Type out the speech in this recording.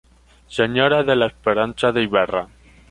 Sra de la Esperanza de Ibarra.